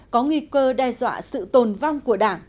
có nguy cơ đe dọa sự tồn vong của đảng